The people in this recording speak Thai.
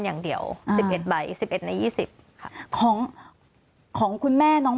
อย่างเดียวสิบเอ็ดใบสิบเอ็ดในยี่สิบค่ะของของคุณแม่น้อง